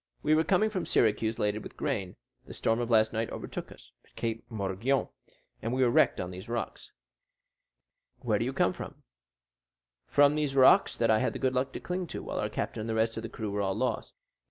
We were coming from Syracuse laden with grain. The storm of last night overtook us at Cape Morgiou, and we were wrecked on these rocks." "Where do you come from?" "From these rocks that I had the good luck to cling to while our captain and the rest of the crew were all lost.